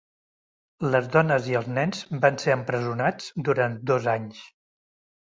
Les dones i els nens van ser empresonats durant dos anys.